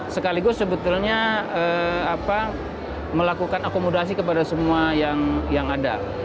sekaligus sebetulnya melakukan akomodasi kepada semua yang ada